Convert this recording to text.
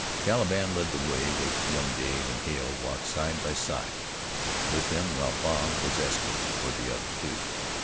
Caliban led the way with young Dave, and Hale walked side by side with them while Bob was escort for the other two.